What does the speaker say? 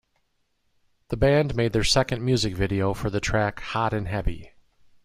The band made their second music video for the track "Hot and Heavy".